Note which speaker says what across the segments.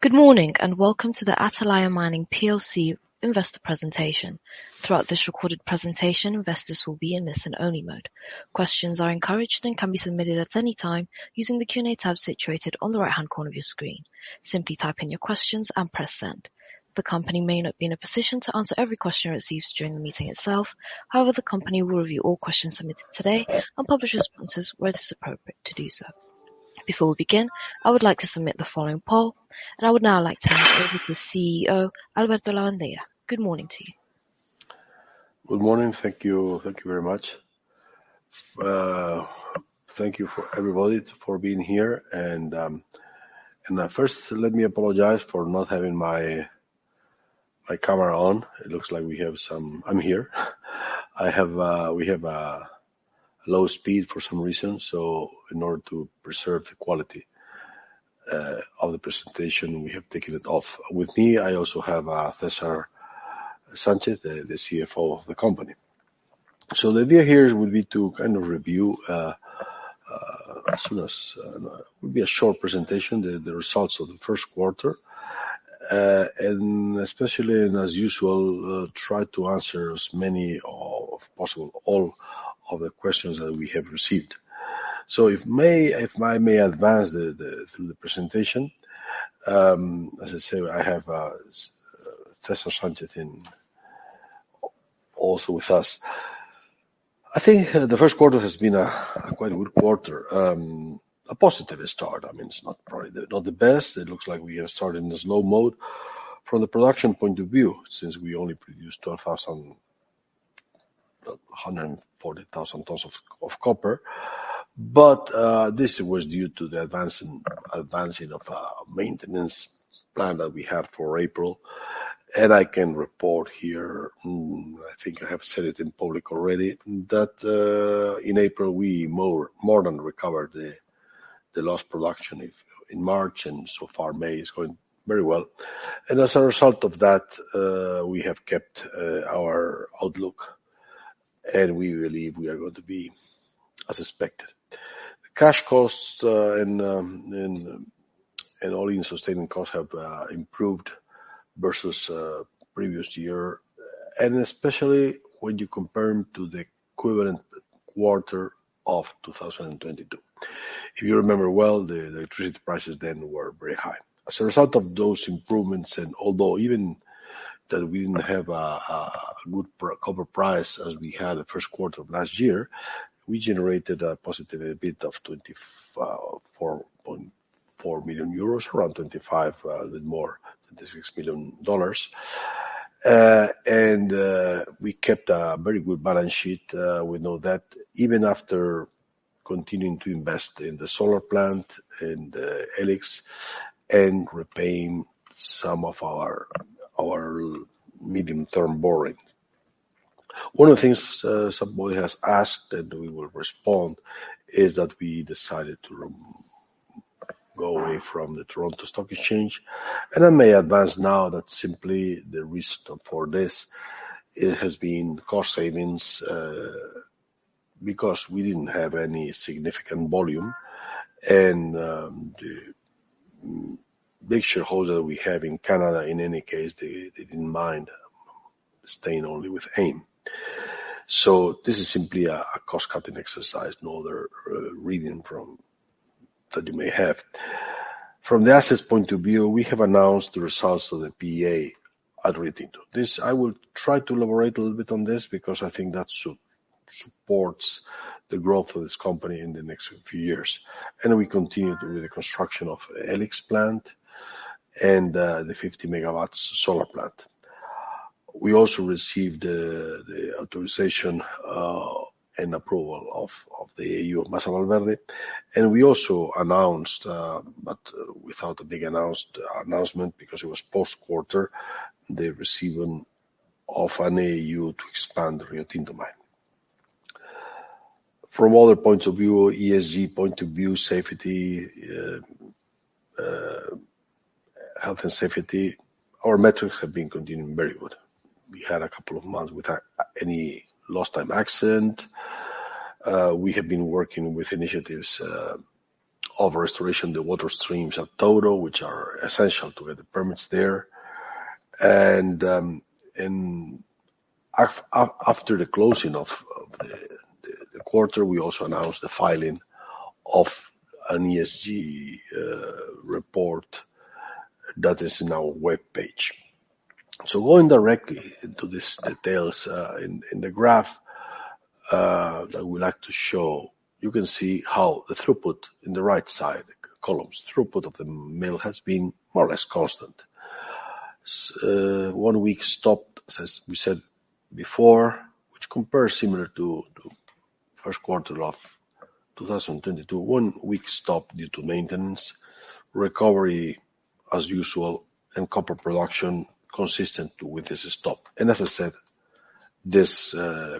Speaker 1: Good morning, welcome to the Atalaya Mining PLC investor presentation. Throughout this recorded presentation, investors will be in listen-only mode. Questions are encouraged and can be submitted at any time using the Q&A tab situated on the right-hand corner of your screen. Simply type in your questions and press Send. The company may not be in a position to answer every question it receives during the meeting itself. The company will review all questions submitted today and publish responses where it is appropriate to do so. Before we begin, I would like to submit the following poll. I would now like to hand over to the CEO, Alberto Lavandeira. Good morning to you.
Speaker 2: Good morning. Thank you. Thank you very much. Thank you for everybody for being here. First, let me apologize for not having my camera on. I have, we have low speed for some reason, so in order to preserve the quality of the presentation, we have taken it off. With me, I also have César Sánchez, the CFO of the company. The idea here would be to kind of review, it will be a short presentation, the results of the first quarter. Especially and as usual, try to answer as many of possible all of the questions that we have received. If I may advance through the presentation. As I said, I have César Sánchez in also with us. I think the first quarter has been a quite good quarter. A positive start. I mean, it's not probably the, not the best. It looks like we have started in a slow mode from the production point of view since we only produced 12,140 tons of copper. This was due to the advancing of a maintenance plan that we have for April. I can report here, I think I have said it in public already, that in April we more than recovered the lost production in March, and so far May is going very well. As a result of that, we have kept our outlook, and we believe we are going to be as expected. Cash costs, and all-in sustaining costs have improved versus previous year. Especially when you compare them to the equivalent quarter of 2022. If you remember well, the electricity prices then were very high. As a result of those improvements, and although even that we didn't have a good copper price as we had the first quarter of last year, we generated a positive EBIT of 24.4 million euros, around $25 million, a bit more, $26 million. We kept a very good balance sheet, we know that. Even after continuing to invest in the solar plant and E-LIX and repaying some of our medium-term borrowing. One of the things somebody has asked, and we will respond, is that we decided to go away from the Toronto Stock Exchange. I may advance now that simply the reason for this it has been cost savings because we didn't have any significant volume. The big shareholder we have in Canada, in any case, they didn't mind staying only with AIM. This is simply a cost-cutting exercise. No other reading from that you may have. From the assets point of view, we have announced the results of the PEA at Proyecto Riotinto. This I will try to elaborate a little bit on this because I think that supports the growth of this company in the next few years. We continued with the construction of E-LIX plant and the 50 MW solar plant. We also received the authorization and approval of the AAU Masa Valverde. We also announced, but without a big announced announcement because it was post-quarter, the receiving of an AAU to expand Riotinto mine. From other points of view, ESG point of view, safety, health and safety, our metrics have been continuing very good. We had a couple of months without any lost time accident. We have been working with initiatives of restoration the water streams at Touro, which are essential to get the permits there. After the closing of the quarter, we also announced the filing of an ESG report that is in our webpage. Going directly into these details in the graph, I would like to show. You can see how the throughput in the right side columns. Throughput of the mill has been more or less constant. One week stopped, as we said before, which compares similar to first quarter of 2022. One week stop due to maintenance. Recovery as usual, and copper production consistent with this stop. As I said, this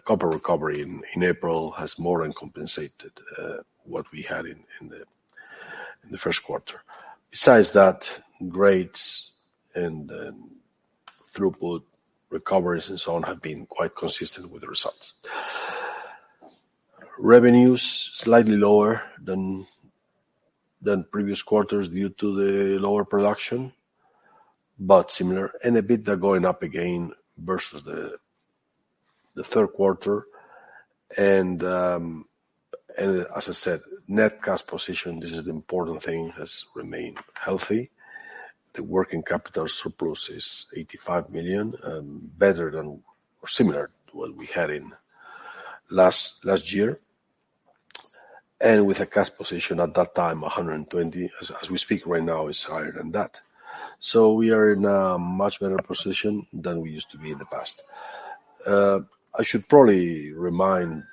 Speaker 2: copper recovery in April has more than compensated what we had in the first quarter. Besides that, grades and throughput recoveries, and so on, have been quite consistent with the results. Revenues slightly lower than previous quarters due to the lower production, but similar. EBITDA going up again versus the third quarter. As I said, net cash position, this is the important thing, has remained healthy. The working capital surplus is 85 million, better than or similar to what we had in last year. With a cash position at that time, 120 million. As we speak right now, it's higher than that. We are in a much better position than we used to be in the past. I should probably remind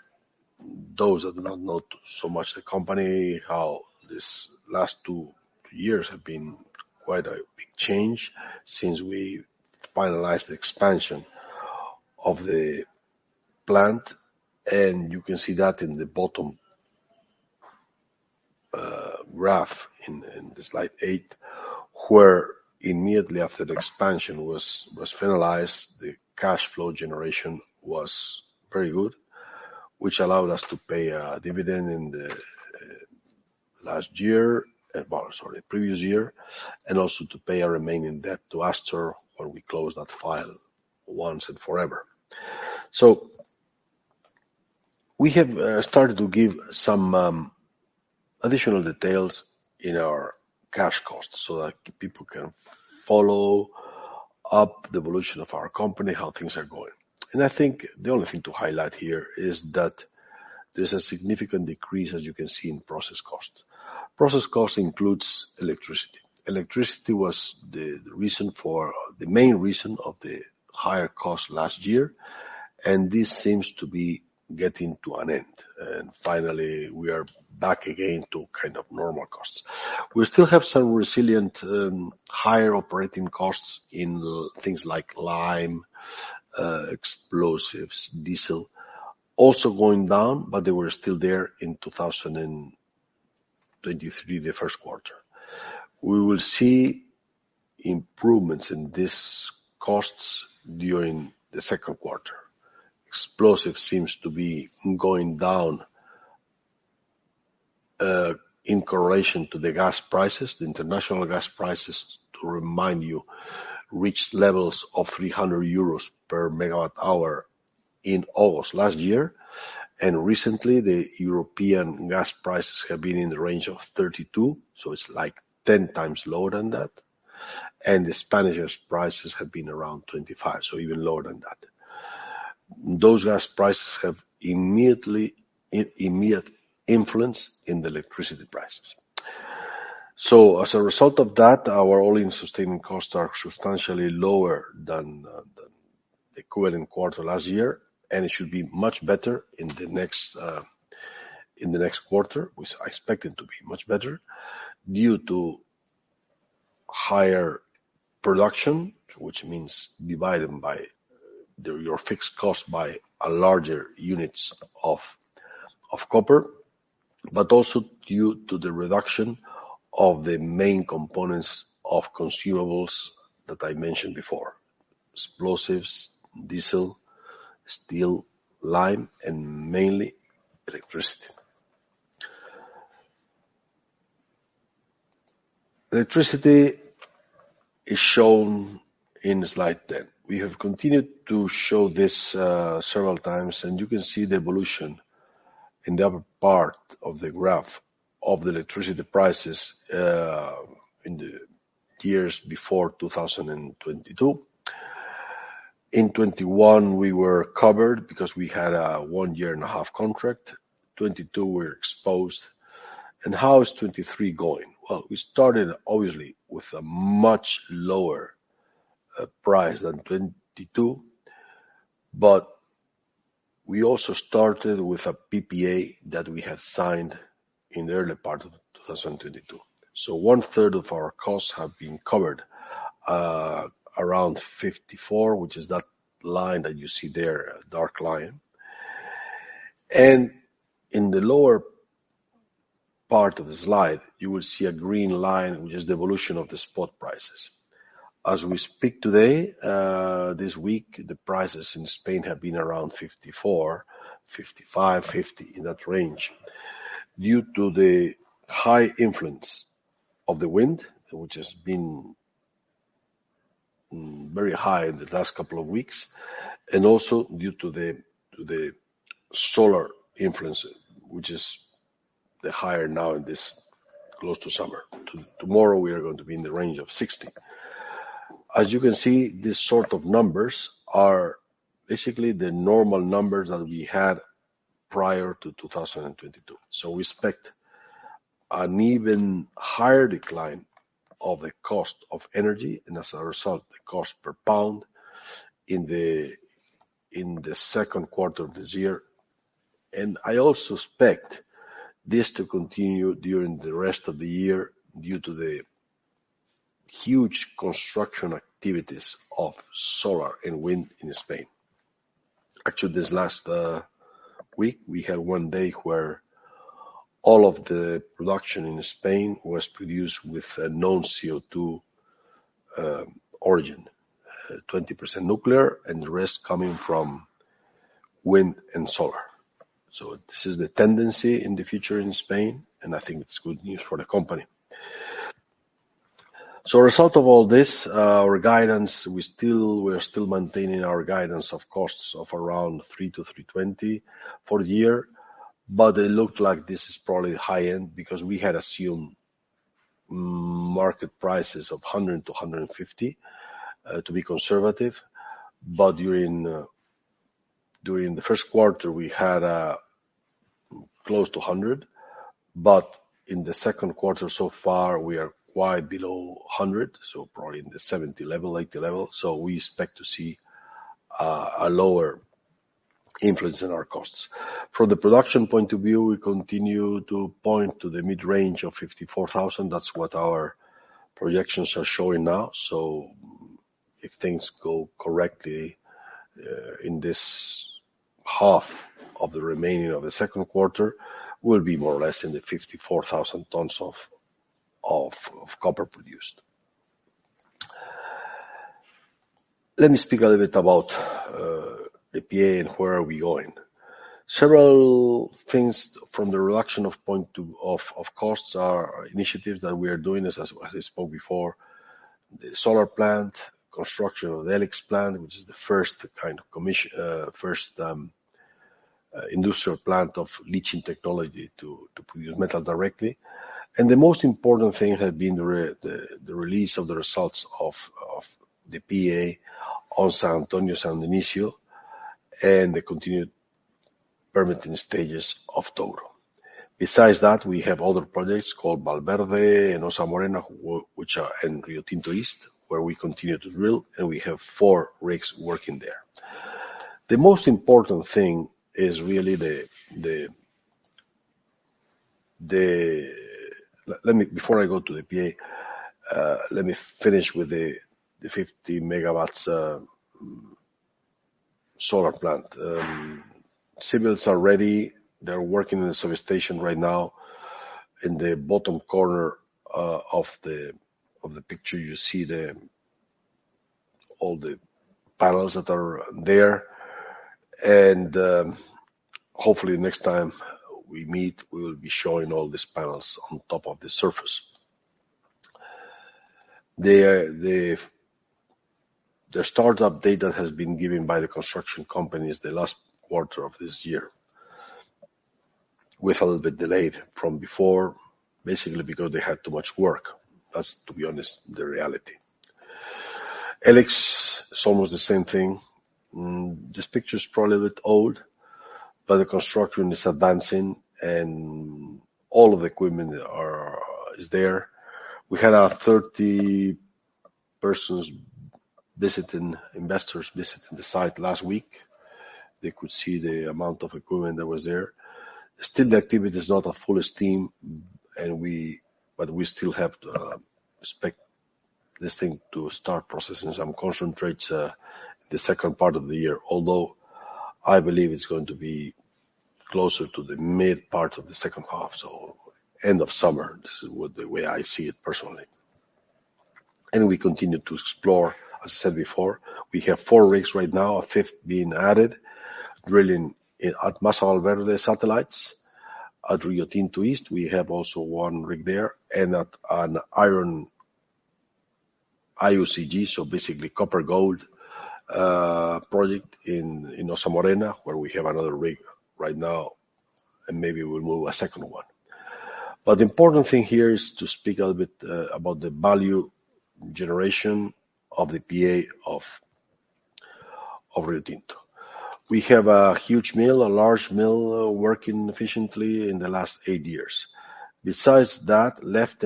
Speaker 2: those that do not know so much the company, how this last two years have been quite a big change since we finalized the expansion of the plant. You can see that in the bottom graph in the slide eight, where immediately after the expansion was finalized, the cash flow generation was very good, which allowed us to pay a dividend in the last year. Well, sorry, previous year, and also to pay our remaining debt to Astor, where we closed that file once and forever. We have started to give some additional details in our cash costs so that people can follow up the evolution of our company, how things are going. I think the only thing to highlight here is that there's a significant decrease, as you can see, in process cost. Process cost includes electricity. Electricity was the main reason of the higher cost last year. This seems to be getting to an end. Finally, we are back again to kind of normal costs. We still have some resilient higher operating costs in things like lime, explosives, diesel. Also going down, but they were still there in 2023, the first quarter. We will see improvements in these costs during the second quarter. Explosives seems to be going down in correlation to the gas prices. The international gas prices, to remind you, reached levels of 300 euros per megawatt hour in August last year. Recently, the European gas prices have been in the range of 32, so it's like 10x lower than that. The Spanish gas prices have been around 25, so even lower than that. Those gas prices have an immediate influence in the electricity prices. As a result of that, our all-in sustaining costs are substantially lower than the equivalent quarter last year, and it shouldbe much better in the next quarter, which I expect it to be much better due to higher production, which means dividing by your fixed cost by a larger units of copper. Also due to the reduction of the main components of consumables that I mentioned before: explosives, diesel, steel, lime, and mainly electricity. Electricity is shown in slide 10. We have continued to show this several times, and you can see the evolution in the upper part of the graph of the electricity prices in the years before 2022. In 2021, we were covered because we had a one-year-and-a-half contract. 2022, we're exposed. How is 2023 going? We started obviously with a much lower price than 22, but we also started with a PPA that we had signed in the early part of 2022. One-third of our costs have been covered, around 54, which is that line that you see there, a dark line. In the lower part of the slide, you will see a green line, which is the evolution of the spot prices. As we speak today, this week, the prices in Spain have been around 54, 55, 50, in that range, due to the high influence of the wind, which has been very high in the last couple of weeks, and also due to the solar influence, which is the higher now in this close to summer. Tomorrow, we are going to be in the range of 60. As you can see, these sort of numbers are basically the normal numbers that we had prior to 2022. We expect an even higher decline of the cost of energy and as a result, the cost per pound in the, in the second quarter of this year. I also expect this to continue during the rest of the year due to the huge construction activities of solar and wind in Spain. Actually, this last week, we had one day where all of the production in Spain was produced with a known CO2 origin. 20% nuclear and the rest coming from wind and solar. This is the tendency in the future in Spain, and I think it's good news for the company. A result of all this, our guidance, we are still maintaining our guidance of costs of around 3.00-3.20 for the year. It looked like this is probably high end because we had assumed market prices of 100-150 to be conservative. During the first quarter, we had close to 100, but in the second quarter so far we are quite below 100, so probably in the 70 level, 80 level. We expect to see a lower influence in our costs. From the production point of view, we continue to point to the mid-range of 54,000. That's what our projections are showing now. If things go correctly, in this half of the remaining of the second quarter, we'll be more or less in the 54,000 tons of copper produced. Let me speak a little bit about the PEA and where are we going. Several things from the reduction of costs are initiatives that we are doing as I spoke before. The solar plant, construction of the E-LIX plant, which is the first kind of first industrial plant of leaching technology to produce metal directly. The most important thing has been the release of the results of the PEA on San Antonio, San Dionisio, and the continued permitting stages of Toro. Besides that, we have other projects called Valverde and Proyecto Ossa Morena, which are in Riotinto East, where we continue to drill, and we have four rigs working there. The most important thing is really the. Let me, before I go to the PA, let me finish with the 50 MW solar plant. Civils are ready. They're working in the substation right now. In the bottom corner of the picture, you see all the panels that are there. Hopefully next time we meet, we will be showing all these panels on top of the surface. The start-up date that has been given by the construction company is the last quarter of this year, with a little bit delayed from before, basically because they had too much work. That's, to be honest, the reality. E-LIX is almost the same thing. This picture is probably a bit old, but the construction is advancing and all of the equipment is there. We had 30 persons visiting, investors visiting the site last week. They could see the amount of equipment that was there. Still the activity is not at full steam, but we still have to expect this thing to start processing some concentrates the second part of the year. Although I believe it's going to be closer to the mid part of the second half, so end of summer. This is the way I see it personally. We continue to explore. As I said before, we have four rigs right now, a fifth being added, drilling in at Masa Valverde satellites. At Riotinto East, we have also one rig there and at an iron IOCG, so basically copper gold project in Proyecto Ossa Morena, where we have another rig right now, and maybe we'll move a second one. The important thing here is to speak a little bit about the value generation of the PA of Rio Tinto. We have a huge mill, a large mill, working efficiently in the last eight years. Besides that, left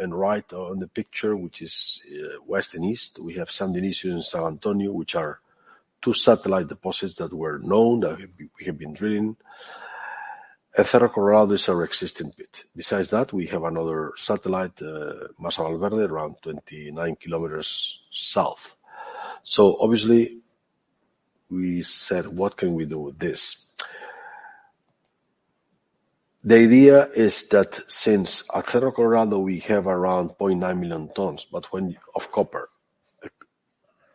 Speaker 2: and right on the picture, which is west and east, we have San Dionisio and San Antonio, which are two satellite deposits that were known, that we have been drilling. At Cerro Colorado is our existing pit. Besides that, we have another satellite, Masa Valverde, around 29 km south. Obviously we said, "What can we do with this?" The idea is that since at Cerro Colorado we have around 0.9 million tons of copper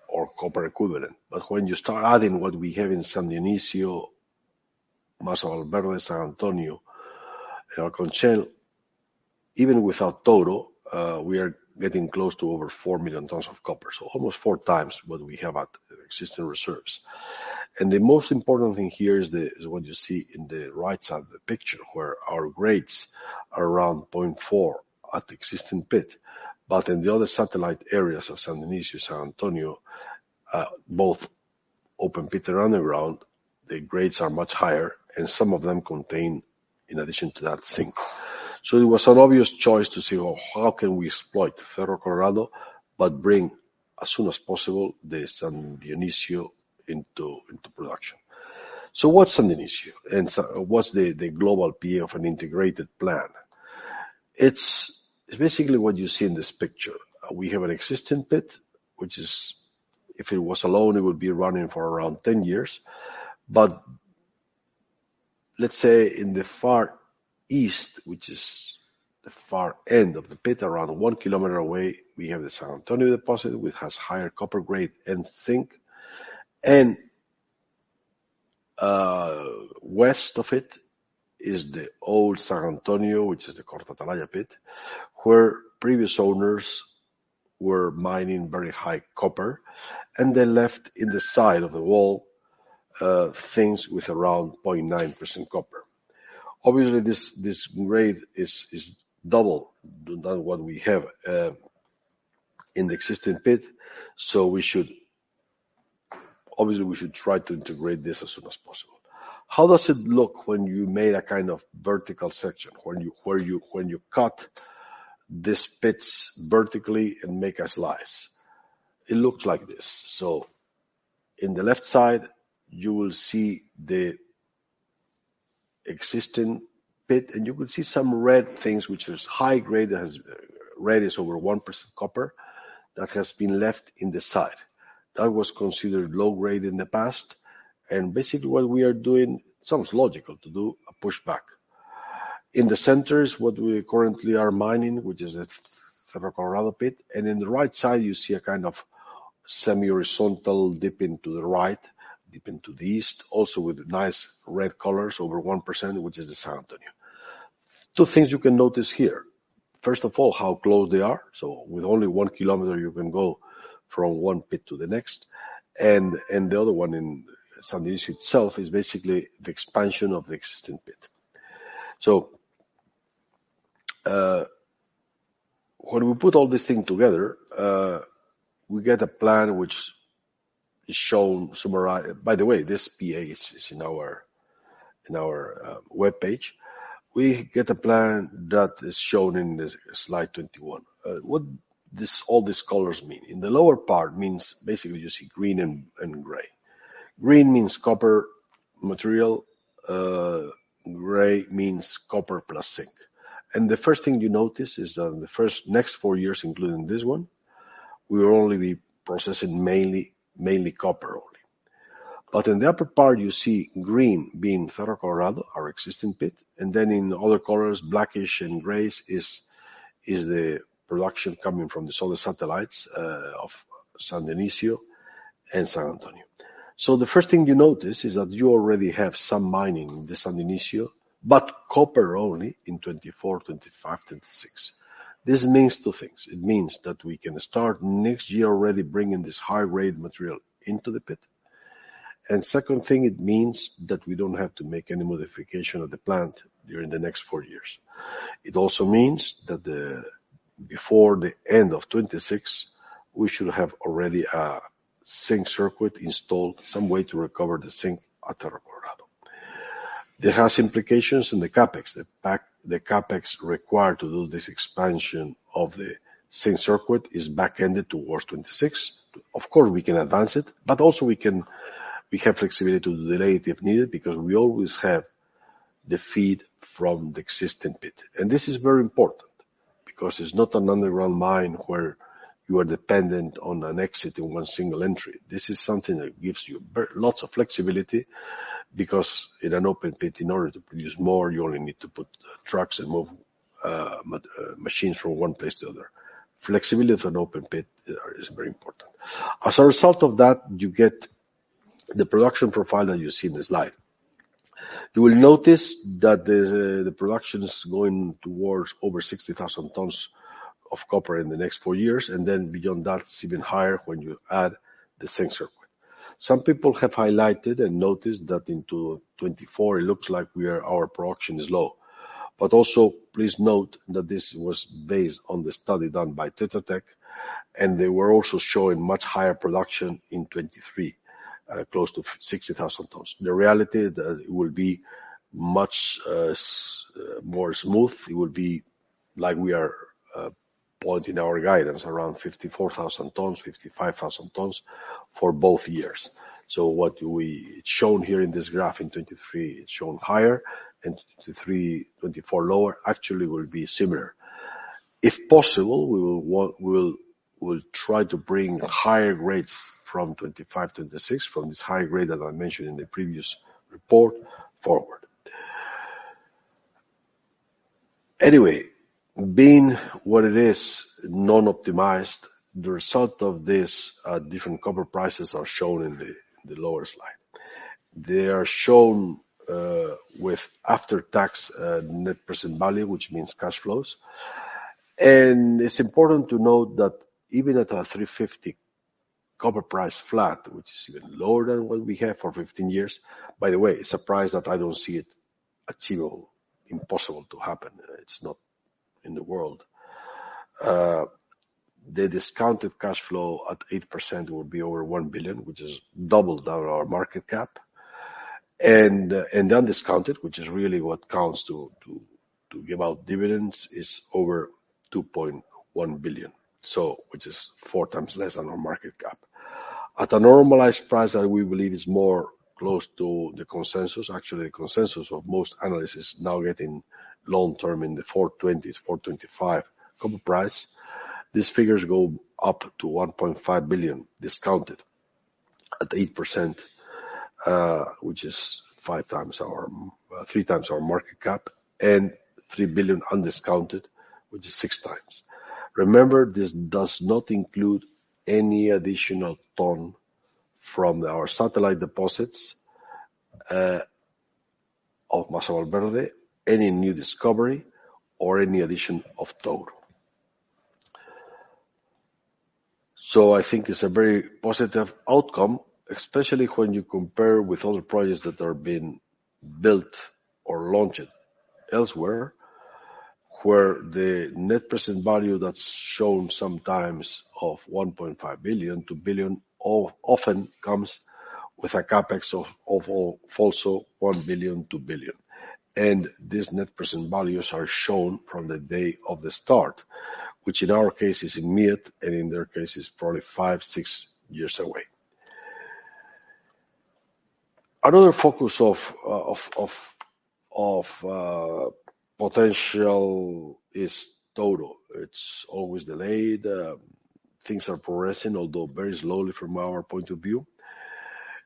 Speaker 2: or copper equivalent. When you start adding what we have in San Dionisio, Masa Valverde, San Antonio, Alconchel, even without Toro, we are getting close to over four million tons of copper. Almost 4x what we have at existing reserves. The most important thing here is what you see in the right side of the picture, where our grades are around 0.4 at existing pit. In the other satellite areas of San Dionisio, San Antonio, both open pit and underground, the grades are much higher, and some of them contain, in addition to that, zinc. It was an obvious choice to say, "Well, how can we exploit Cerro Colorado but bring as soon as possible the San Dionisio into production?" What's San Dionisio and what's the global PA of an integrated plan? It's basically what you see in this picture. We have an existing pit, which is if it was alone, it would be running for around 10 years. Let's say in the far east, which is the far end of the pit, around 1 km away, we have the San Antonio deposit, which has higher copper grade and zinc. West of it is the old San Antonio, which is the Corta Atalaya pit, where previous owners were mining very high copper, and they left in the side of the wall, things with around 0.9% copper. Obviously, this grade is double than what we have in the existing pit, so we should try to integrate this as soon as possible. How does it look when you made a kind of vertical section? When you cut these pits vertically and make a slice. It looks like this. In the left side, you will see the existing pit, and you will see some red things, which is high grade. Red is over 1% copper that has been left in the side. That was considered low grade in the past. Basically, what we are doing, it sounds logical to do a pushback. In the center is what we currently are mining, which is the Cerro Colorado pit. In the right side, you see a kind of semi-horizontal dip into the right, dip into the east, also with nice red colors over 1%, which is the San Antonio. Two things you can notice here. First of all, how close they are. With only 1 km, you can go from one pit to the next. The other one in San Dionisio itself is basically the expansion of the existing pit. When we put all this thing together, we get a plan which is shown summarized. By the way, this PA is in our, in our webpage. We get a plan that is shown in this slide 21. What all these colors mean? In the lower part means basically you see green and gray. Green means copper material. Gray means copper plus zinc. The first thing you notice is that in the first next four years, including this one, we will only be processing mainly copper only. In the upper part, you see green being Cerro Colorado, our existing pit. Then in other colors, blackish and grays, is the production coming from the solar satellites of San Dionisio and San Antonio. The first thing you notice is that you already have some mining in the San Dionisio, but copper only in 2024, 2025, 2026. This means two things. It means that we can start next year already bringing this high-grade material into the pit. Second thing, it means that we don't have to make any modification of the plant during the next four years. It also means that before the end of 2026, we should have already a zinc circuit installed some way to recover the zinc at Cerro Colorado. That has implications in the CapEx. The CapEx required to do this expansion of the zinc circuit is backended towards 2026. Of course, we can advance it, but also we have flexibility to delay it if needed because we always have the feed from the existing pit. This is very important because it's not an underground mine where you are dependent on an exit and one single entry. This is something that gives you lots of flexibility because in an open pit, in order to produce more, you only need to put trucks and move machines from one place to the other. Flexibility of an open pit is very important. As a result of that, you get the production profile that you see in the slide. You will notice that the production is going towards over 60,000 tons of copper in the next four years. Beyond that, it's even higher when you add the zinc circuit. Some people have highlighted and noticed that into 2024, it looks like our production is low. Please note that this was based on the study done by Tetra Tech, and they were also showing much higher production in 2023, close to 60,000 tons. The reality that it will be much more smooth. It will be like we are pointing our guidance around 54,000 tons, 55,000 tons for both years. What we shown here in this graph in 2023, it's shown higher, and 2023, 2024 lower actually will be similar. If possible, we'll try to bring higher grades from 2025, 2026 from this high grade that I mentioned in the previous report forward. Anyway, being what it is, non-optimized, the result of this different copper prices are shown in the lower slide. They are shown with after-tax net present value, which means cash flows. It's important to note that even at a 3.50 copper price flat, which is even lower than what we have for 15 years. By the way, surprised that I don't see it achievable, impossible to happen. It's not in the world. The discounted cash flow at 8% will be over 1 billion, which is double that our market cap. The undiscounted, which is really what counts to give out dividends, is over 2.1 billion, which is four times less than our market cap. At a normalized price that we believe is more close to the consensus. Actually, the consensus of most analysts is now getting long-term in the $4.20-$4.25 copper price. These figures go up to 1.5 billion discounted at 8%, which is three times our market cap and 3 billion undiscounted, which is 6x. Remember, this does not include any additional ton from our satellite deposits of Masa Valverde, any new discovery or any addition of Toro. I think it's a very positive outcome, especially when you compare with other projects that are being built or launched elsewhere. Where the net present value that's shown sometimes of 1.5 billion, 2 billion often comes with a CapEx also 1 billion, 2 billion. These net present values are shown from the day of the start, which in our case is immediate, and in their case is probably five, six years away. Another focus of potential is Touro. It's always delayed. Things are progressing, although very slowly from our point of view.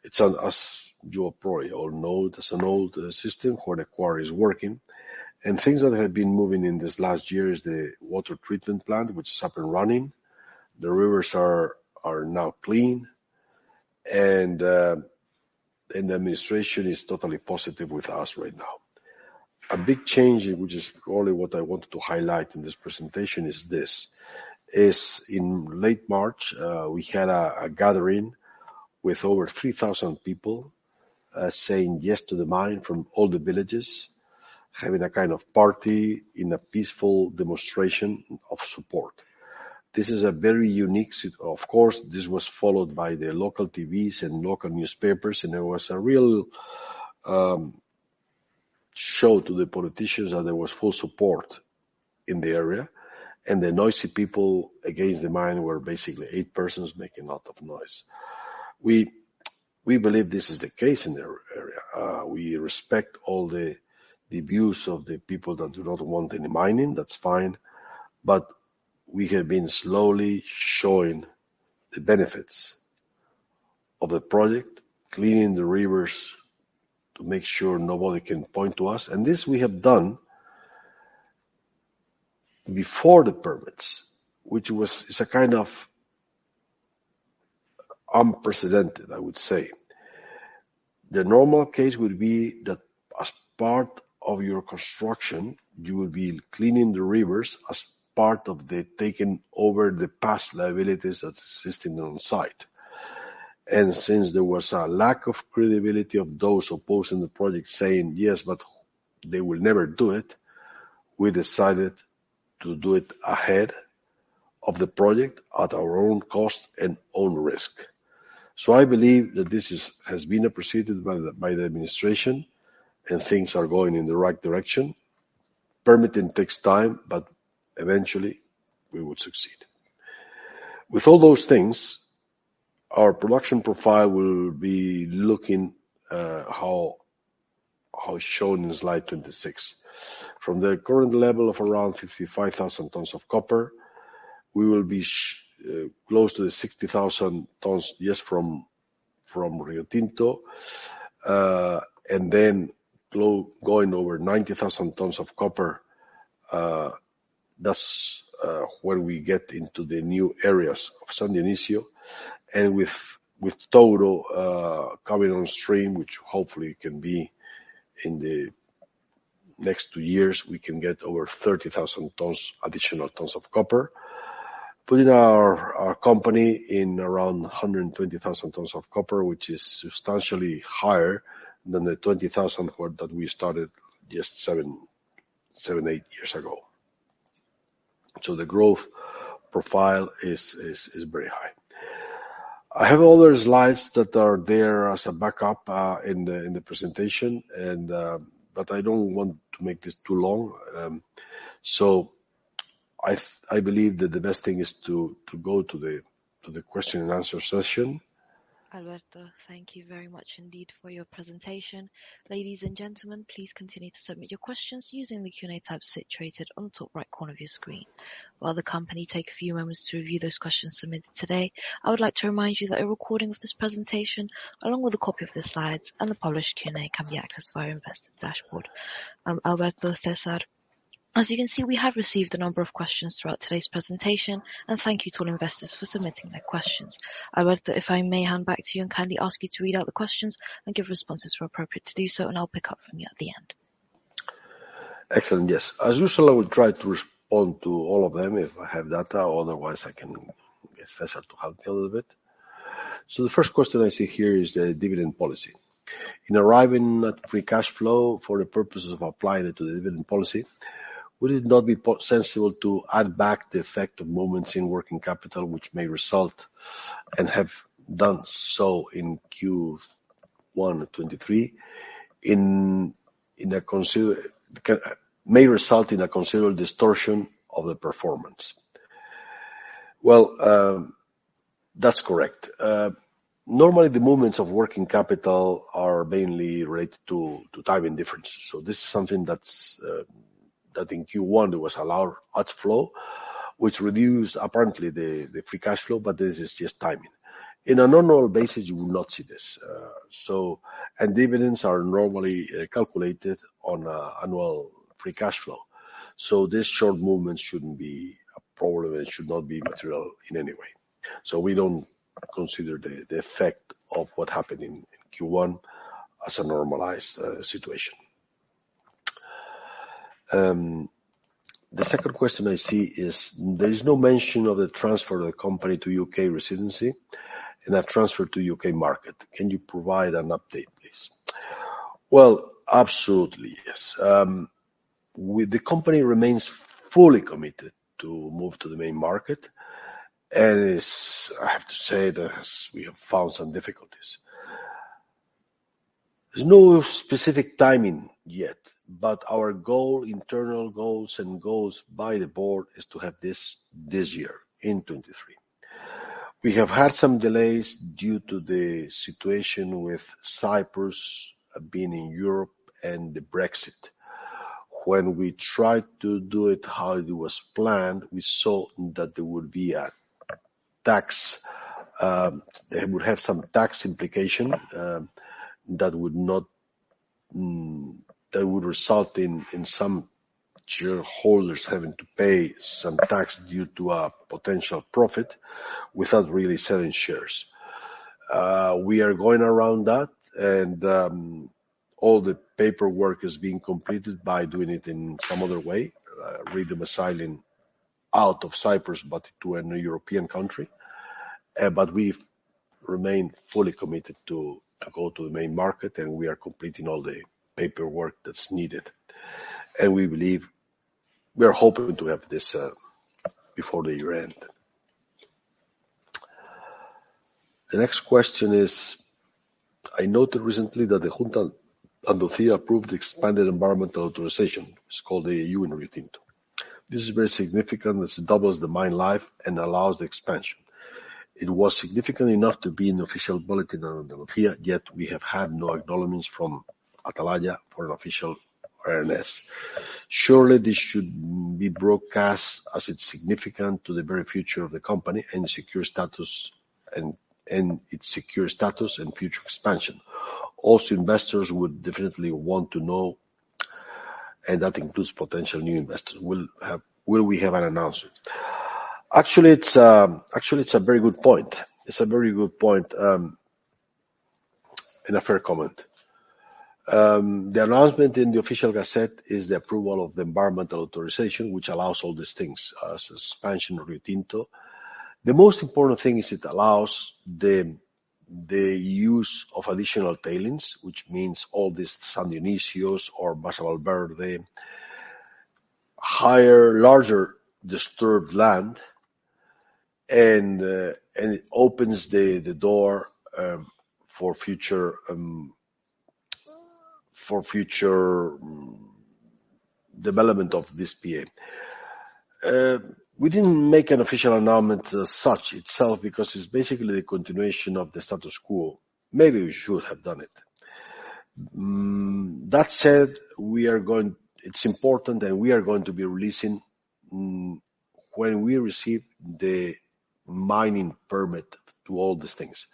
Speaker 2: As you probably all know, it's an old system where the quarry is working. Things that have been moving in this last year is the water treatment plant, which is up and running. The rivers are now clean. The administration is totally positive with us right now. A big change, which is really what I wanted to highlight in this presentation, is this. Is in late March, we had a gathering with over 3,000 people saying yes to the mine from all the villages, having a kind of party in a peaceful demonstration of support. Of course, this was followed by the local TVs and local newspapers. It was a real show to the politicians that there was full support in the area. The noisy people against the mine were basically 8 persons making a lot of noise. We believe this is the case in their area. We respect all the views of the people that do not want any mining. That's fine. We have been slowly showing the benefits of the project, cleaning the rivers to make sure nobody can point to us. This we have done before the permits, which is a kind of unprecedented, I would say. The normal case would be that as part of your construction, you will be cleaning the rivers as part of the taking over the past liabilities that's existing on site. Since there was a lack of credibility of those opposing the project saying, "Yes, but they will never do it," we decided to do it ahead of the project at our own cost and own risk. I believe that this has been appreciated by the administration, and things are going in the right direction. Permitting takes time, eventually we will succeed. With all those things, our production profile will be looking how it's shown in slide 26. From the current level of around 55,000 tons of copper, we will be close to the 60,000 tons just from Riotinto. Going over 90,000 tons of copper, that's when we get into the new areas of San Dionisio. With Touro coming on stream, which hopefully can be in the next two years, we can get over 30,000 tons, additional tons of copper. Putting our company in around 120,000 tons of copper, which is substantially higher than the 20,000 that we started just seven, eight years ago. The growth profile is very high. I have other slides that are there as a backup in the presentation. I don't want to make this too long. I believe that the best thing is to go to the question and answer session.
Speaker 1: Alberto, thank you very much indeed for your presentation. Ladies and gentlemen, please continue to submit your questions using the Q&A tab situated on the top right corner of your screen. While the company take a few moments to review those questions submitted today, I would like to remind you that a recording of this presentation, along with a copy of the slides and the published Q&A, can be accessed via investor dashboard. Alberto, Cesar, as you can see, we have received a number of questions throughout today's presentation, and thank you to all investors for submitting their questions. Alberto, if I may hand back to you and kindly ask you to read out the questions and give responses where appropriate to do so, and I'll pick up from you at the end.
Speaker 2: Excellent. Yes. As usual, I will try to respond to all of them if I have data. Otherwise, I can get César to help me a little bit. The first question I see here is the dividend policy. In arriving at free cash flow for the purposes of applying it to the dividend policy, would it not be sensible to add back the effect of movements in working capital which may result and have done so in Q1 2023. May result in a considerable distortion of the performance. Well, that's correct. Normally, the movements of working capital are mainly related to timing differences. This is something that in Q1 was a lower outflow, which reduced apparently the free cash flow, but this is just timing. In a normal basis, you would not see this. Dividends are normally calculated on annual free cash flow. This short movement shouldn't be a problem, and it should not be material in any way. We don't consider the effect of what happened in Q1 as a normalized situation. The second question I see is, there is no mention of the transfer of the company to U.K. residency and a transfer to U.K. market. Can you provide an update, please? Well, absolutely, yes. The company remains fully committed to move to the main market, and it's I have to say that we have found some difficulties. There's no specific timing yet, but our goal, internal goals, and goals by the board is to have this year in 2023. We have had some delays due to the situation with Cyprus being in Europe and the Brexit. When we tried to do it how it was planned, we saw that there would be a tax, it would have some tax implication, that would not, that would result in some shareholders having to pay some tax due to a potential profit without really selling shares. We are going around that and all the paperwork is being completed by doing it in some other way, re-domiciling out of Cyprus, but to a new European country. We've remained fully committed to go to the Main Market, and we are completing all the paperwork that's needed. We believe, we are hoping to have this before the year end. The next question is, I noted recently that the Junta de Andalucía approved the expanded environmental authorization. It's called AAU in Riotinto. This is very significant as it doubles the mine life and allows the expansion. It was significant enough to be in the official bulletin of Andalucía, yet we have had no acknowledgments from Atalaya for an official awareness. Surely, this should be broadcast as it's significant to the very future of the company and secure status and its secure status and future expansion. Also, investors would definitely want to know, and that includes potential new investors. Will we have an announcement? Actually, it's, actually, it's a very good point. It's a very good point, and a fair comment. The announcement in the official gazette is the approval of the environmental authorization, which allows all these things as expansion of Riotinto. The most important thing is it allows the use of additional tailings, which means all these San Dionisio or Masa Valverde, higher, larger disturbed land, and it opens the door for future development of this PA. We didn't make an official announcement as such itself because it's basically the continuation of the status quo. Maybe we should have done it. That said, it's important, we are going to be releasing when we receive the mining permit to all these things.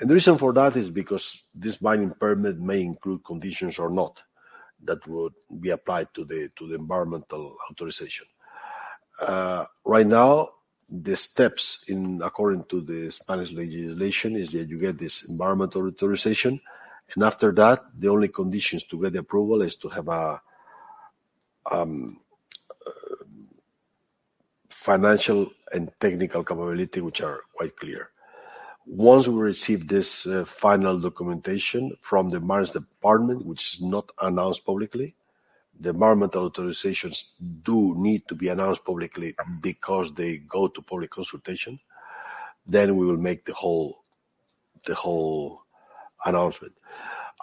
Speaker 2: The reason for that is because this mining permit may include conditions or not, that would be applied to the environmental authorization. Right now, the steps in according to the Spanish legislation is that you get this environmental authorization. After that, the only conditions to get the approval is to have a financial and technical capability, which are quite clear. Once we receive this final documentation from the mines department, which is not announced publicly, the environmental authorizations do need to be announced publicly because they go to public consultation. We will make the whole announcement.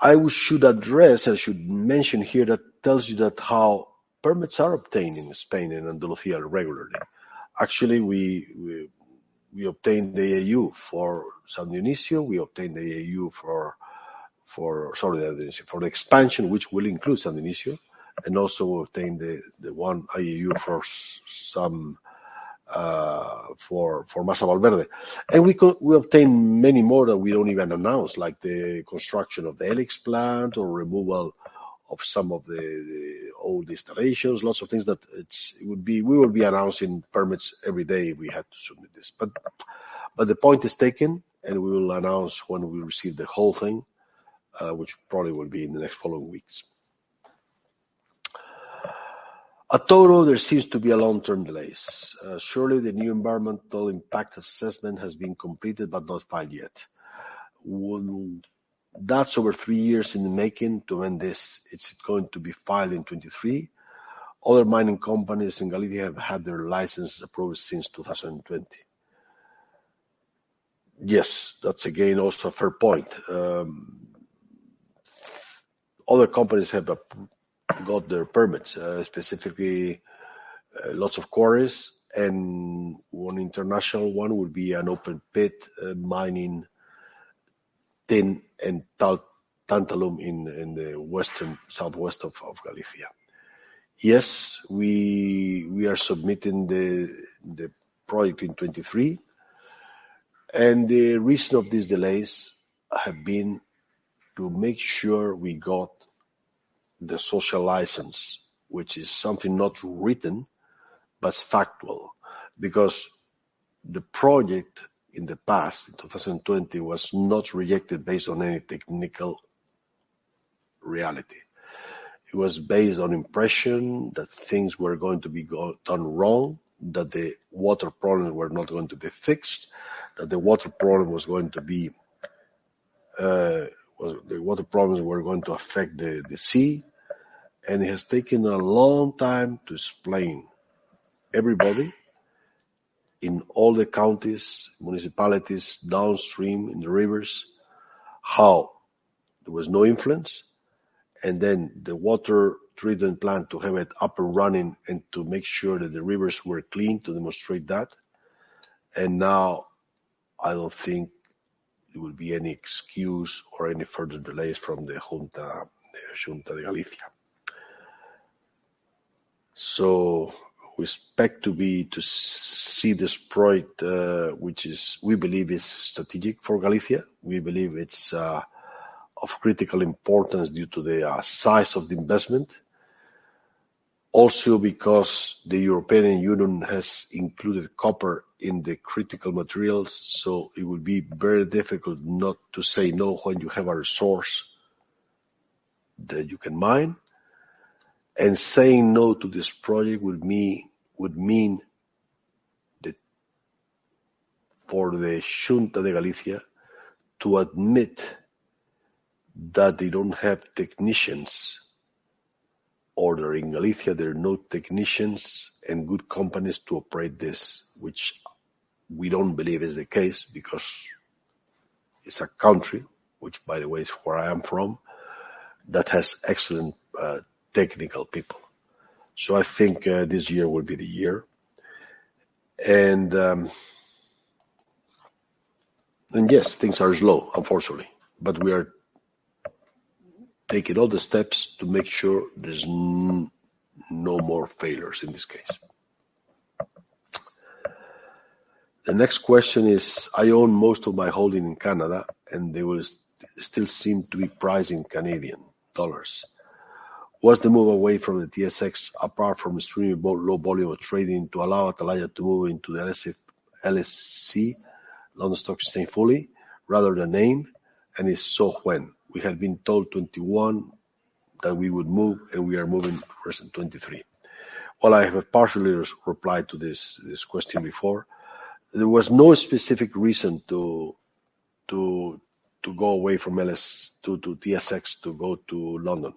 Speaker 2: I should address, I should mention here that tells you that how permits are obtained in Spain, in Andalusia regularly. We obtained the AAU for San Dionisio. We obtained the AAU for Sorry, the expansion, which will include San Dionisio, and also obtained the one AAU for some for Masa Valverde. We obtained many more that we don't even announce, like the construction of the E-LIX plant or removal of some of the old installations, lots of things that we would be announcing permits every day if we had to submit this. The point is taken, and we will announce when we receive the whole thing, which probably will be in the next following weeks. At Proyecto Touro, there seems to be a long-term delays. Surely, the new environmental impact assessment has been completed but not filed yet. Well, that's over three years in the making to when this it's going to be filed in 2023. Other mining companies in Galicia have had their license approved since 2020. Yes, that's again also a fair point. Other companies have got their permits, specifically, lots of quarries and one international one will be an open pit, mining tin and tantalum in the western southwest of Galicia. Yes, we are submitting the project in 2023. The reason of these delays have been to make sure we got the social license, which is something not written, but factual. The project in the past, in 2020, was not rejected based on any technical reality. It was based on impression that things were going to be done wrong, that the water problems were not going to be fixed, that the water problems were going to affect the sea. It has taken a long time to explain everybody in all the counties, municipalities downstream in the rivers, how there was no influence. Then the water treatment plant to have it up and running and to make sure that the rivers were clean to demonstrate that. Now I don't think there will be any excuse or any further delays from the Xunta de Galicia. We expect to see this project, which is we believe is strategic for Galicia. We believe it's of critical importance due to the size of the investment. Also because the European Union has included copper in the critical materials, it would be very difficult not to say no when you have a resource that you can mine. Saying no to this project would mean that for the Xunta de Galicia to admit that they don't have technicians or in Galicia, there are no technicians and good companies to operate this, which we don't believe is the case, because it's a country, which by the way is where I am from, that has excellent technical people. I think this year will be the year. Yes, things are slow, unfortunately, but we are taking all the steps to make sure there's no more failures in this case. The next question is, I own most of my holding in Canada, they will still seem to be priced in Canadian dollars. Was the move away from the TSX apart from extremely low volume of trading to allow Atalaya to move into the LSE, London Stock Exchange fully rather than AIM, and if so, when? We have been told 2021 that we would move, and we are moving present 2023. I have partially replied to this question before. There was no specific reason to go away from LS to TSX to go to London.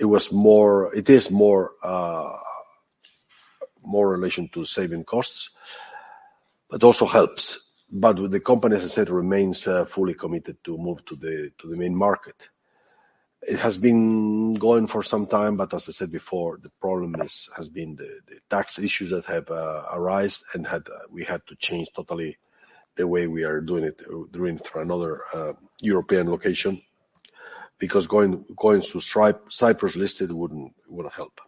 Speaker 2: It is more, more relation to saving costs, but also helps. The company, as I said, remains fully committed to move to the Main Market. It has been going for some time, as I said before, the problem is, has been the tax issues that have arised and had, we had to change totally the way we are doing it, doing through another European location. Going through Cyprus listed wouldn't help.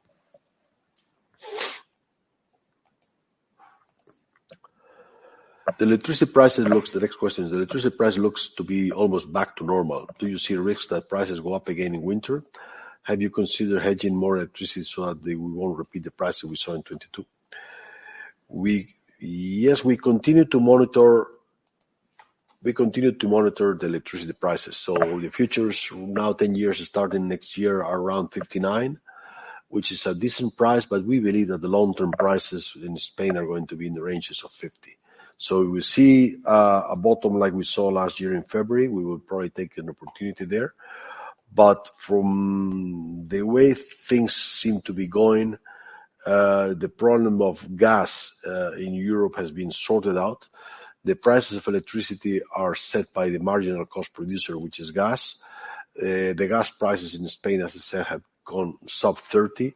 Speaker 2: The electricity prices, the next question is, the electricity price looks to be almost back to normal. Do you see a risk that prices go up again in winter? Have you considered hedging more electricity so that they won't repeat the prices we saw in 2022? Yes, we continue to monitor the electricity prices. The futures now 10 years starting next year are around 59, which is a decent price, but we believe that the long-term prices in Spain are going to be in the ranges of 50. If we see a bottom like we saw last year in February, we will probably take an opportunity there. From the way things seem to be going, the problem of gas in Europe has been sorted out. The prices of electricity are set by the marginal cost producer, which is gas. The gas prices in Spain, as I said, have gone sub 30.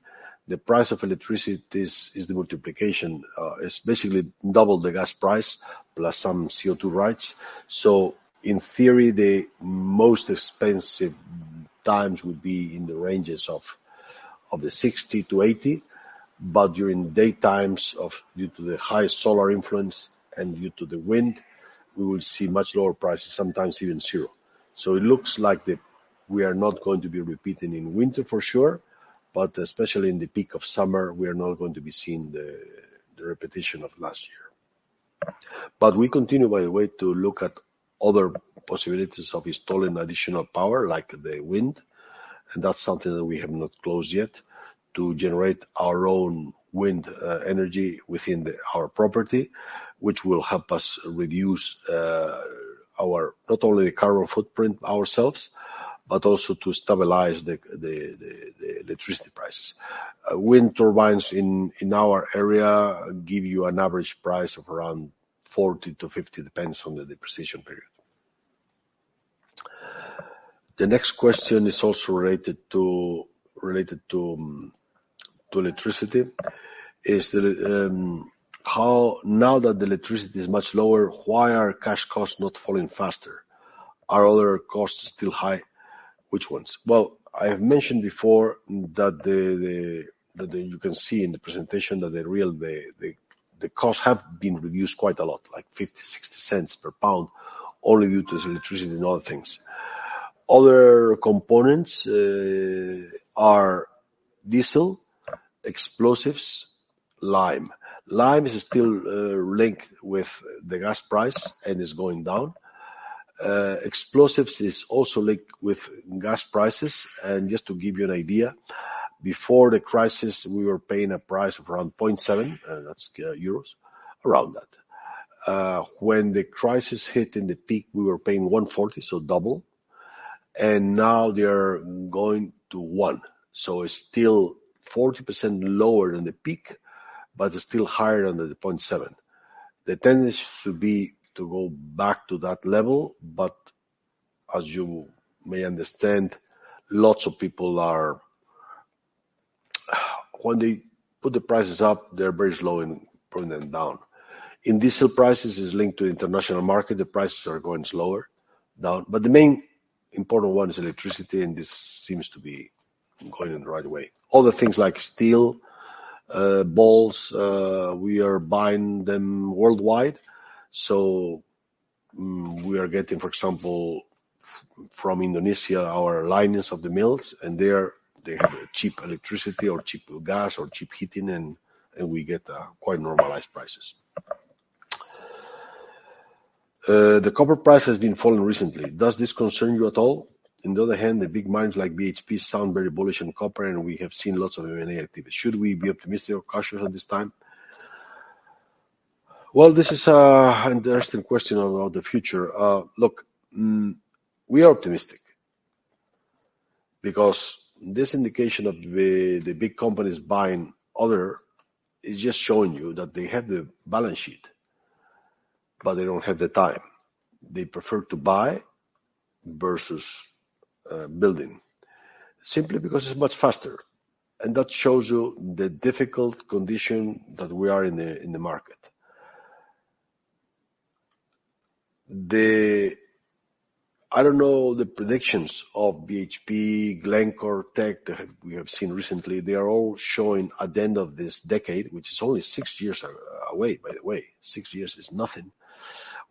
Speaker 2: The price of electricity is the multiplication. It's basically double the gas price plus some CO2 rights. In theory, the most expensive times would be in the ranges of the 60-80. During daytimes due to the high solar influence and due to the wind, we will see much lower prices, sometimes even zero. It looks like we are not going to be repeating in winter for sure, but especially in the peak of summer, we are not going to be seeing the repetition of last year. We continue, by the way, to look at other possibilities of installing additional power like the wind. That's something that we have not closed yet to generate our own wind energy within our property, which will help us reduce Our, not only the carbon footprint ourselves, but also to stabilize the electricity prices. Wind turbines in our area give you an average price of around 40 to 50, depends on the depreciation period. The next question is also related to electricity. Is how Now that the electricity is much lower, why are cash costs not falling faster? Are other costs still high? Which ones? Well, I have mentioned before that you can see in the presentation that the real costs have been reduced quite a lot, like 0.50, 0.60 per pound only due to electricity and other things. Other components are diesel, explosives, lime. Lime is still linked with the gas price and is going down. Explosives is also linked with gas prices. Just to give you an idea, before the crisis, we were paying a price of around 0.7, and that's euros, around that. When the crisis hit in the peak, we were paying 1.40, so double. Now they are going to 1. It's still 40% lower than the peak, but still higher than the 0.7. The tendency should be to go back to that level. As you may understand, when they put the prices up, they're very slow in putting them down. In diesel prices, it's linked to international market. The prices are going slower, down. The main important one is electricity, and this seems to be going in the right way. Other things like steel, balls, we are buying them worldwide. We are getting, for example, from Indonesia, our linings of the mills, and they have cheap electricity or cheap gas or cheap heating and we get quite normalized prices. The copper price has been falling recently. Does this concern you at all? On the other hand, the big mines like BHP sound very bullish in copper, and we have seen lots of M&A activity. Should we be optimistic or cautious at this time? Well, this is an interesting question about the future. Look, we are optimistic because this indication of the big companies buying other is just showing you that they have the balance sheet, but they don't have the time. They prefer to buy versus building simply because it's much faster. That shows you the difficult condition that we are in the market. I don't know the predictions of BHP, Glencore, Teck that we have seen recently. They are all showing at the end of this decade, which is only six years away, by the way. Six years is nothing.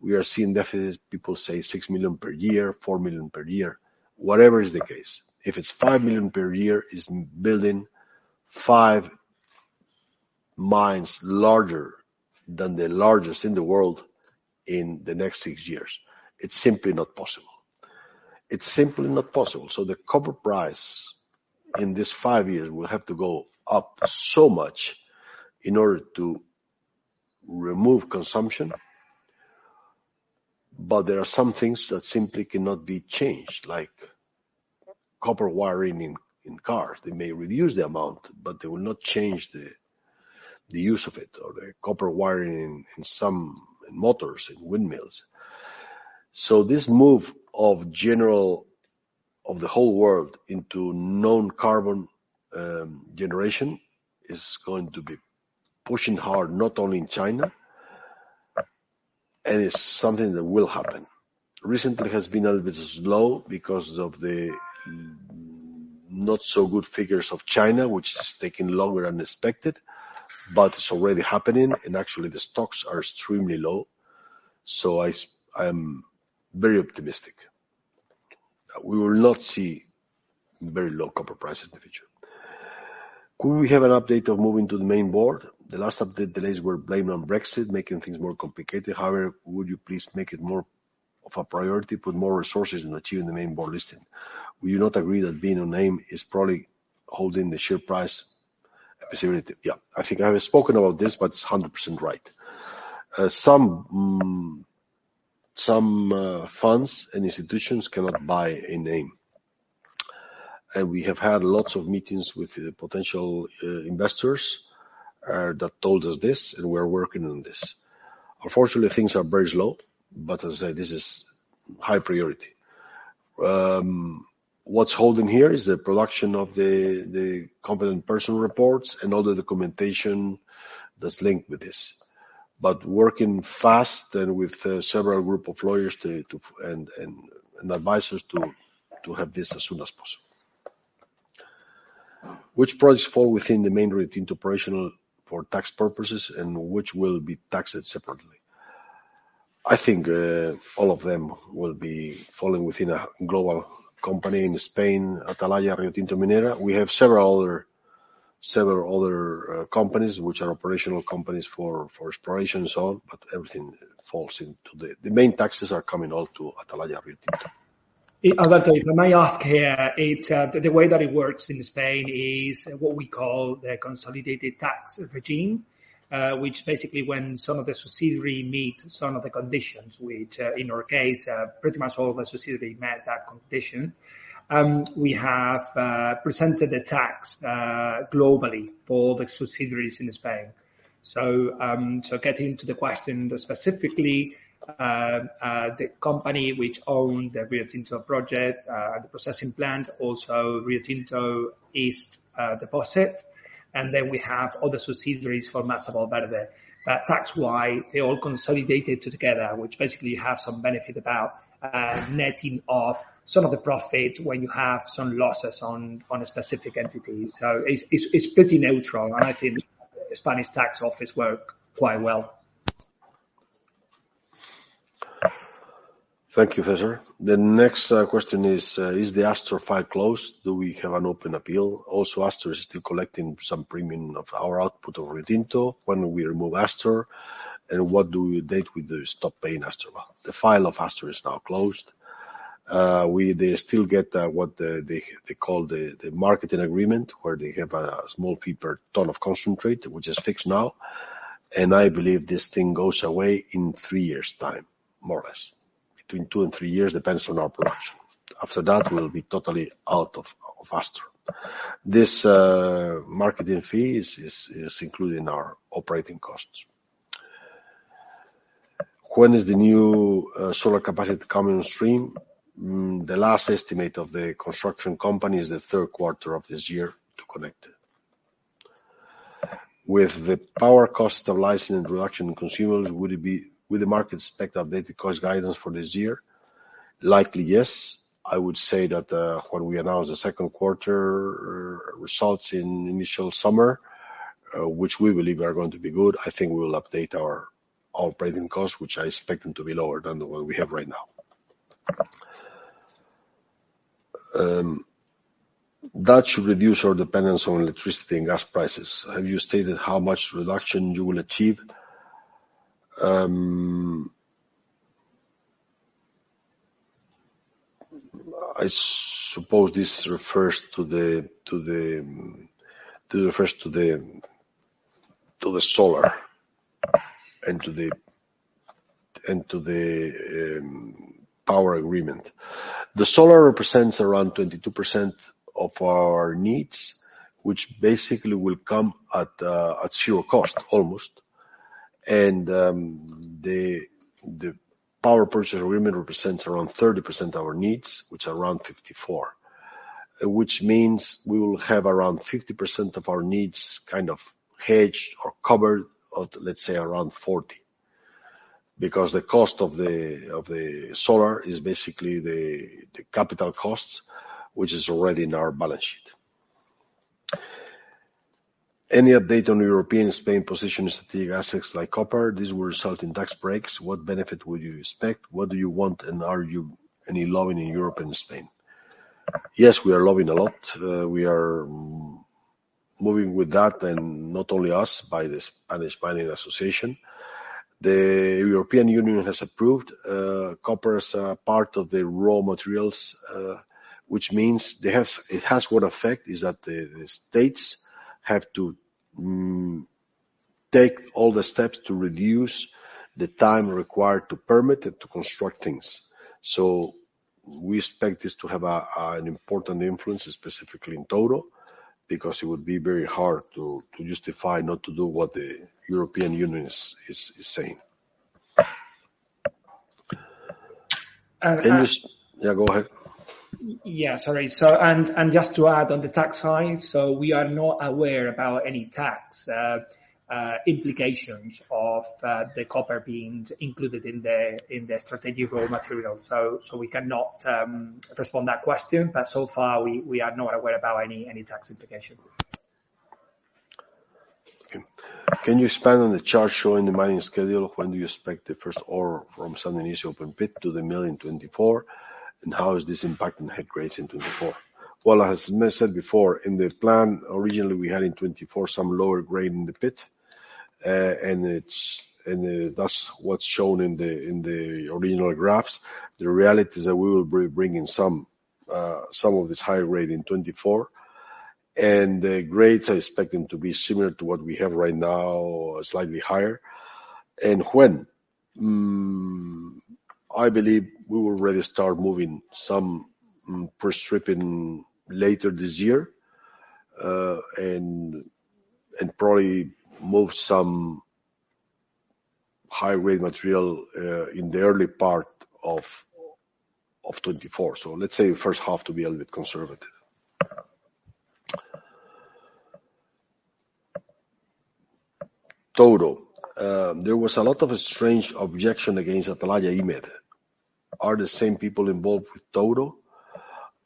Speaker 2: We are seeing deficits, people say 6 million per year, 4 million per year. Whatever is the case. If it's 5 million per year, it's building five mines larger than the largest in the world in the next six years. It's simply not possible. It's simply not possible. The copper price in this five years will have to go up so much in order to remove consumption. There are some things that simply cannot be changed, like copper wiring in cars. They may reduce the amount, but they will not change the use of it or the copper wiring in some motors and windmills. This move of the whole world into non-carbon generation is going to be pushing hard, not only in China, and it's something that will happen. Recently, it has been a little bit slow because of the not so good figures of China, which is taking longer than expected, but it's already happening, and actually the stocks are extremely low. I am very optimistic. We will not see very low copper prices in the future. Could we have an update of moving to the main board? The last update delays were blamed on Brexit, making things more complicated. Would you please make it more of a priority, put more resources in achieving the main board listing? Would you not agree that being a name is probably holding the share price stability? Yeah. I think I have spoken about this, it's 100% right. Some funds and institutions cannot buy a name. We have had lots of meetings with potential investors that told us this, and we're working on this. Unfortunately, things are very slow, but as I said, this is high priority. What's holding here is the production of the competent person reports and all the documentation that's linked with this. Working fast and with several group of lawyers and advisors to have this as soon as possible. Which products fall within the main Riotinto operational for tax purposes and which will be taxed separately? I think all of them will be falling within a global company in Spain, Atalaya Riotinto Minera. We have several other companies which are operational companies for exploration and so on, but everything falls into the. The main taxes are coming all to Atalaya Riotinto.
Speaker 3: Alberto, may I ask here, the way that it works in Spain is what we call the consolidated tax regime, which basically when some of the subsidiaries meet some of the conditions, which in our case, pretty much all the subsidiaries met that condition. We have presented the tax globally for the subsidiaries in Spain. Getting to the question specifically, the company which owned the Riotinto project, the processing plant, also Riotinto East deposit. We have other subsidiaries for Masa Valverde. That's why they all consolidated together, which basically have some benefit about netting off some of the profit when you have some losses on a specific entity. It's pretty neutral, and I think the Spanish tax office work quite well.
Speaker 2: Thank you, César. The next question is the Astor file closed? Do we have an open appeal? Astor is still collecting some premium of our output of Riotinto. When will we remove Astor, and what do we date with the stop paying Astor? The file of Astor is now closed. They still get what they call the marketing agreement, where they have a small fee per ton of concentrate, which is fixed now. I believe this thing goes away in three years time, more or less. Between two and three years, depends on our production. After that, we'll be totally out of Astor. This marketing fee is included in our operating costs. When is the new solar capacity coming on stream? The last estimate of the construction company is the third quarter of this year to connect it. With the power cost of license reduction in consumers, will the market expect updated cost guidance for this year? Likely, yes. I would say that when we announce the second quarter results in initial summer, which we believe are going to be good, I think we will update our operating costs, which I expect them to be lower than the one we have right now. That should reduce our dependence on electricity and gas prices. Have you stated how much reduction you will achieve? I suppose this refers to the solar and to the power agreement. The solar represents around 22% of our needs, which basically will come at zero cost, almost. The power purchase agreement represents around 30% of our needs, which are around 54%, which means we will have around 50% of our needs kind of hedged or covered at, let's say, around 40. Because the cost of the solar is basically the capital costs, which is already in our balance sheet. Any update on European Spain position strategic assets like copper? This will result in tax breaks. What benefit would you expect? What do you want and are you any lobbying in Europe and Spain? Yes, we are lobbying a lot. We are moving with that, not only us, by the Spanish Mining Association. The European Union has approved copper as a part of the raw materials, which means it has what effect is that the states have to take all the steps to reduce the time required to permit and to construct things. We expect this to have an important influence, specifically in Touro, because it would be very hard to justify not to do what the European Union is saying.
Speaker 3: And, uh-
Speaker 2: Yeah, go ahead.
Speaker 3: Yeah, sorry. And, just to add on the tax side, we are not aware about any tax implications of the copper being included in the strategic raw materials. We cannot respond that question. So far, we are not aware about any tax implication.
Speaker 2: Okay. Can you expand on the chart showing the mining schedule? When do you expect the first ore from San Dionis open pit to the mill in 2024? How is this impacting head grades in 2024? Well, as I said before, in the plan, originally, we had in 2024 some lower grade in the pit. That's what's shown in the original graphs. The reality is that we will bring in some of this high grade in 2024. The grades, I expect them to be similar to what we have right now or slightly higher. When? I believe we will ready start moving some first strip in later this year, and probably move some high grade material in the early part of 2024. Let's say first half to be a little bit conservative. Toto. There was a lot of strange objection against Atalaya EMED. Are the same people involved with Touro?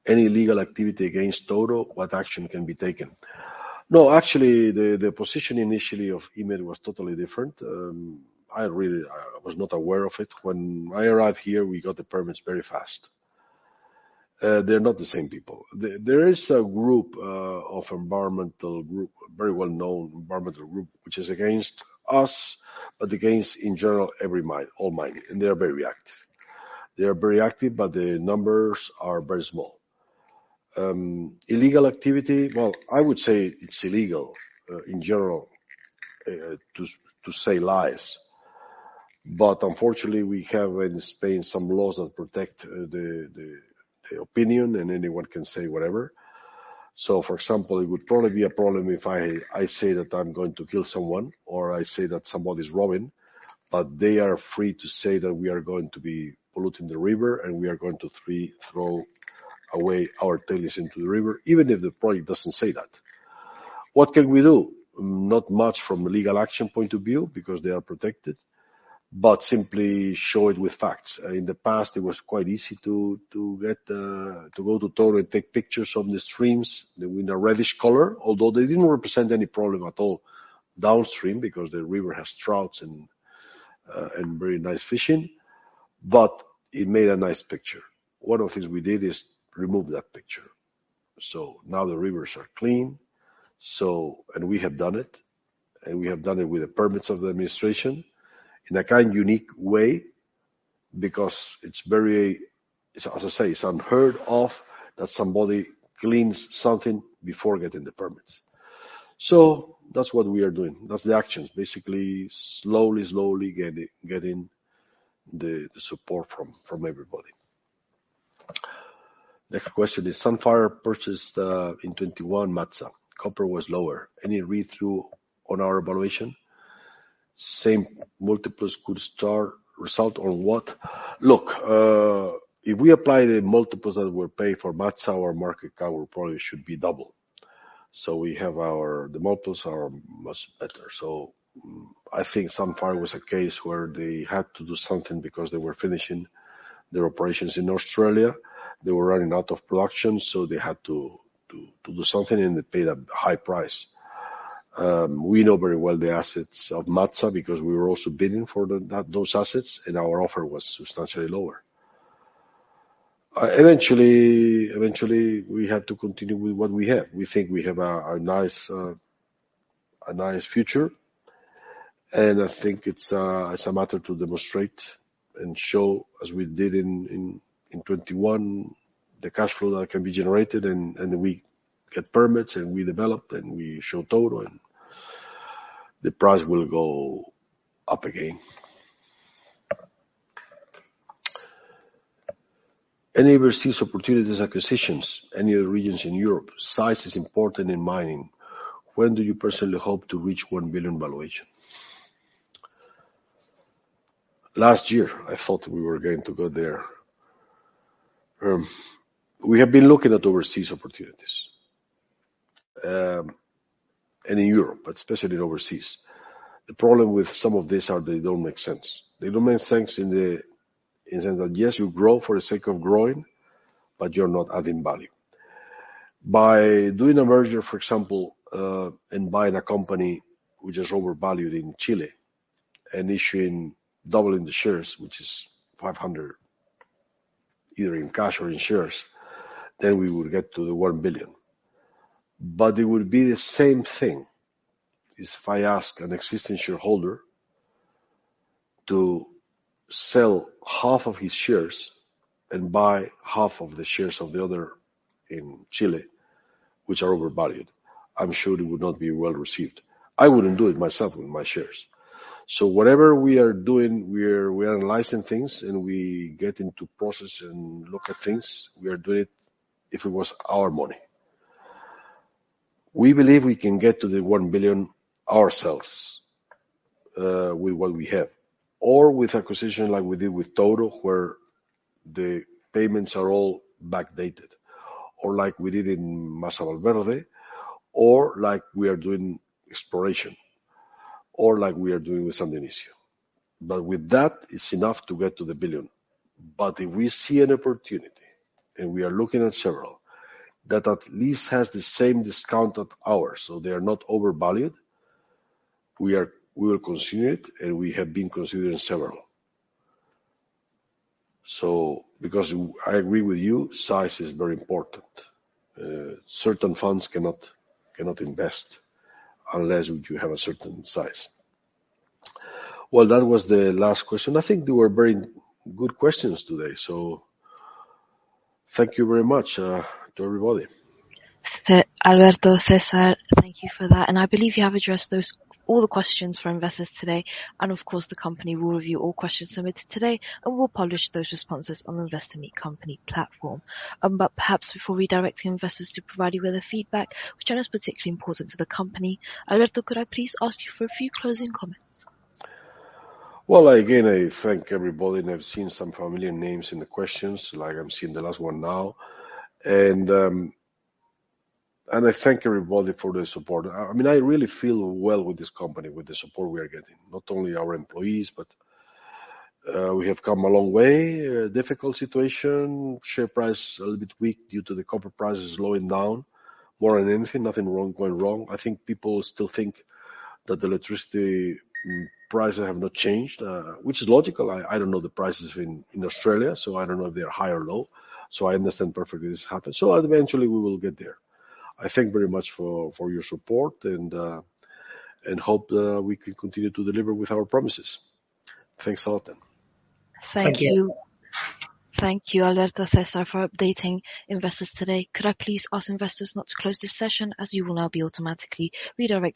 Speaker 2: Any legal activity against Touro? What action can be taken? Actually, the position initially of EMED was totally different. I was not aware of it. When I arrived here, we got the permits very fast. They're not the same people. There is a group of environmental group, very well-known environmental group, which is against us, but against, in general, every mine, all mining, and they are very active. They are very active, but their numbers are very small. Illegal activity. Well, I would say it's illegal, in general, to say lies. Unfortunately, we have in Spain some laws that protect the opinion, and anyone can say whatever. For example, it would probably be a problem if I say that I'm going to kill someone, or I say that somebody's robbing, but they are free to say that we are going to be polluting the river and we are going to throw away our tails into the river, even if the project doesn't say that. What can we do? Not much from a legal action point of view because they are protected, but simply show it with facts. In the past, it was quite easy to get to go to Touro, take pictures from the streams. They were in a reddish color, although they didn't represent any problem at all downstream because the river has trouts and very nice fishing, but it made a nice picture. One of the things we did is remove that picture. Now the rivers are clean. We have done it, and we have done it with the permits of the administration in a kind unique way because it's very. As I say, it's unheard of that somebody cleans something before getting the permits. That's what we are doing. That's the actions. Basically, slowly getting the support from everybody. Next question is, Sandfire purchased in 2021, Matsa. Copper was lower. Any read-through on our valuation? Same multiples could start result on what? Look, if we apply the multiples that were paid for MATSA, our market cap probably should be double. The multiples are much better. I think Sandfire was a case where they had to do something because they were finishing their operations in Australia. They were running out of production, they had to do something, they paid a high price. We know very well the assets of MATSA because we were also bidding for those assets, our offer was substantially lower. Eventually, we had to continue with what we have. We think we have a nice future, I think it's a matter to demonstrate and show, as we did in 2021, the cash flow that can be generated and we get permits and we developed and we show total and the price will go up again. Any overseas opportunities, acquisitions, any other regions in Europe? Size is important in mining. When do you personally hope to reach 1 billion valuation? Last year, I thought we were going to go there. We have been looking at overseas opportunities, and in Europe, but especially in overseas. The problem with some of this are they don't make sense. They don't make sense in the sense that, yes, you grow for the sake of growing, but you're not adding value. By doing a merger, for example, and buying a company which is overvalued in Chile and doubling the shares, which is 500, either in cash or in shares, then we will get to 1 billion. It would be the same thing if I ask an existing shareholder to sell half of his shares and buy half of the shares of the other in Chile, which are overvalued. I'm sure it would not be well-received. I wouldn't do it myself with my shares. Whatever we are doing, we're analyzing things and we get into process and look at things. We are doing it if it was our money. We believe we can get to 1 billion ourselves, with what we have or with acquisition like we did with Toto, where the payments are all backdated, or like we did in Masa Valverde, or like we are doing exploration, or like we are doing with San Dionisio. With that, it's enough to get to the billion. If we see an opportunity, and we are looking at several, that at least has the same discount of ours, so they are not overvalued, we will consider it, and we have been considering several. Because I agree with you, size is very important. Certain funds cannot invest unless you have a certain size. Well, that was the last question. I think they were very good questions today. Thank you very much to everybody.
Speaker 1: Alberto, César. Thank you for that. I believe you have addressed those, all the questions from investors today. Of course, the company will review all questions submitted today, and we'll publish those responses on the Investor Meet Company platform. Perhaps before redirecting investors to provide you with their feedback, which is particularly important to the company, Alberto, could I please ask you for a few closing comments?
Speaker 2: Well, again, I thank everybody. I've seen some familiar names in the questions like I'm seeing the last one now. I thank everybody for the support. I mean, I really feel well with this company, with the support we are getting. Not only our employees, we have come a long way. Difficult situation. Share price a little bit weak due to the copper prices slowing down more than anything. Nothing going wrong. I think people still think that the electricity prices have not changed, which is logical. I don't know the prices in Australia, I don't know if they are high or low. I understand perfectly this happened. Eventually we will get there. I thank very much for your support. I hope we can continue to deliver with our promises. Thanks a lot then.
Speaker 1: Thank you.
Speaker 3: Thank you.
Speaker 1: Thank you, Alberto, César, for updating investors today. Could I please ask investors not to close this session as you will now be automatically redirected?